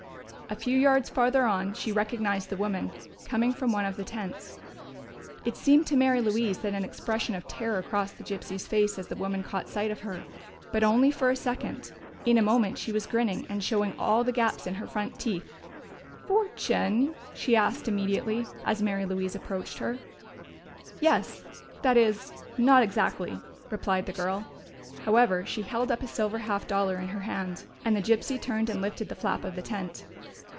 A few yards farther on she recognized the woman, coming from one of the tents. It seemed to Mary Louise that an expression of terror crossed the gypsy's face as the woman caught sight of her. But only for a second; in a moment she was grinning and showing all the gaps in her front teeth. "Fortune?" she asked immediately, as Mary Louise approached her. "Yes that is not exactly," replied the girl. However, she held up a silver half dollar in her hand, and the gypsy turned and lifted the flap of the tent.